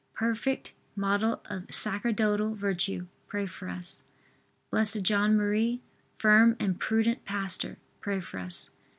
perfect model of sacerdotal virtue, pray for us. B, J. M., firm and prudent pastor, pray for us.